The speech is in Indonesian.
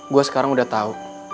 gue sekarang udah tau